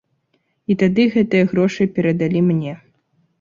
І тады гэтыя грошы перадалі мне.